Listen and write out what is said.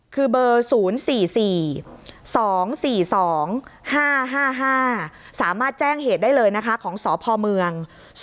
คือเบอร์๐๔๔๒๔๒๕๕๕สามารถแจ้งเหตุได้เลยนะคะของสพเมือง